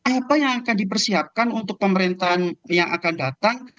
apa yang akan dipersiapkan untuk pemerintahan yang akan datang